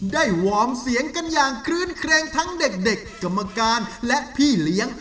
วอร์มเสียงกันอย่างคลื้นเครงทั้งเด็กกรรมการและพี่เลี้ยง